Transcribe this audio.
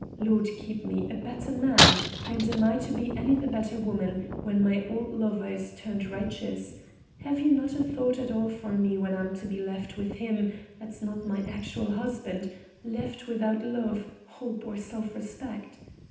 "Lord keep me, a better man! And am I to be any the better woman when my old lover is turned righteous? Have you no' a thought at all for me when I'm to be left with him that's not my actual husband, left without love, hope, or self respect?